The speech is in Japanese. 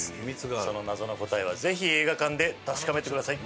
その謎の答えはぜひ映画館で確かめてください。